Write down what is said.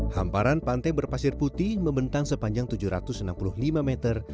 hamparan pantai berpasir putih membentang sepanjang tujuh ratus enam puluh lima meter